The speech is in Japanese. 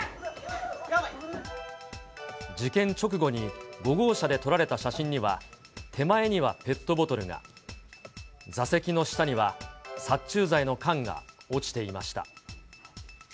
事件直後に５号車で撮られた写真には、手前にはペットボトルが、座席の下には、殺虫剤の缶が落ちていました。